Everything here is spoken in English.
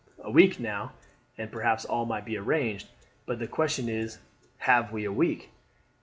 A week now, and perhaps all might be arranged; but the question is Have we a week?